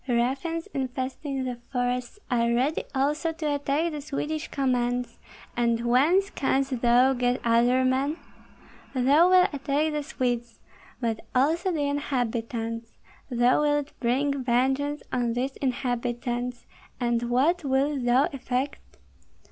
Ruffians infesting the forests are ready also to attack the Swedish commands, and whence canst thou get other men? Thou wilt attack the Swedes, but also the inhabitants; thou wilt bring vengeance on these inhabitants, and what wilt thou effect?